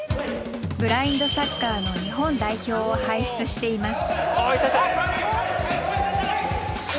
ブラインドサッカーの日本代表を輩出しています。